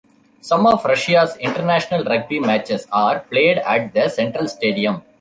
Some of Russia's international rugby matches are played at the Central Stadium.